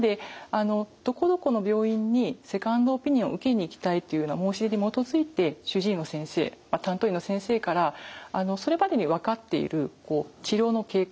どこどこの病院にセカンドオピニオン受けに行きたいというような申し出に基づいて主治医の先生担当医の先生からそれまでに分かっている治療の経過